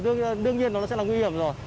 đương nhiên nó sẽ là nguy hiểm rồi